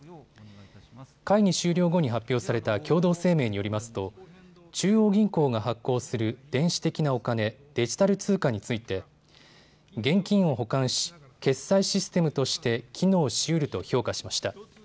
会議終了後に発表された共同声明によりますと中央銀行が発行する電子的なお金、デジタル通貨について現金を補完し、決済システムとして機能しうると評価しました。